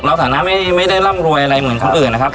เราสาธารณะไม่ได้ร่ำรวยอะไรเหมือนเขาอื่นนะครับ